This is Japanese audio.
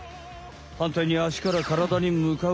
はんたいにあしからからだにむかうつめたい血液は